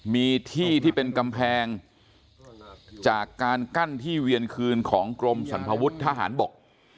มีที่ที่เป็นกำแพงจากการกั้นที่เวียนคืนของกรมสรรพวุฒิทหารบก